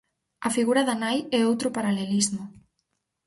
A figura da nai é outro paralelismo.